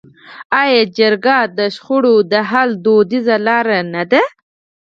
آیا جرګه د شخړو د حل دودیزه لاره نه ده؟